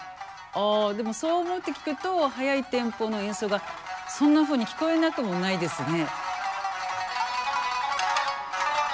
あでもそう思って聴くと速いテンポの演奏がそんなふうに聞こえなくもないですね。